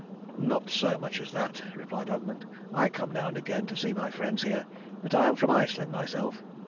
"Not so much as that," replied Ogmund. "I come now and again to see my friends here. But I am from Iceland myself.